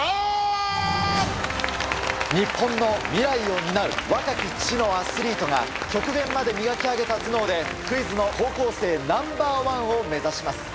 日本の未来を担う若き知のアスリートが極限まで磨き上げた頭脳でクイズの高校生Ｎｏ．１を目指します。